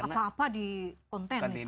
apa apa di konten